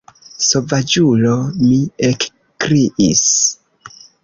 Sovaĝulo mi ekkriis.